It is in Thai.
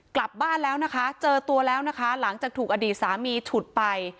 กลับบ้านแล้วนะคะเจอตัวแล้วนะคะหลังจากถูกอดีตสามีฉุดไป